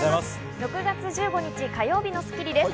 ６月１５日、火曜日の『スッキリ』です。